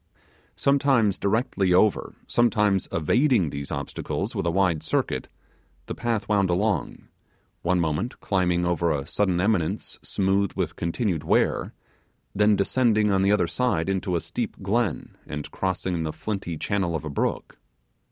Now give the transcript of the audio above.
Sometimes directly over, sometimes evading these obstacles with a wide circuit, the path wound along; one moment climbing over a sudden eminence smooth with continued wear, then descending on the other side into a steep glen, and crossing the flinty channel of a brook.